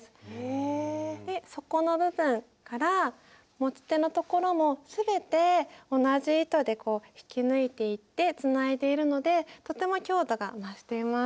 底の部分から持ち手のところも全て同じ糸で引き抜いていてつないでいるのでとても強度が増しています。